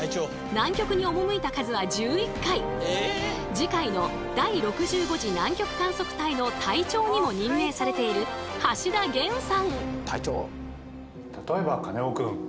次回の第６５次南極観測隊の隊長にも任命されている橋田元さん！